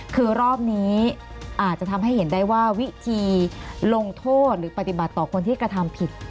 คือรอบนี้อาจจะทำให้เห็นได้ว่าวิธีลงโทษหรือปฏิบัติต่อคนที่กระทำผิด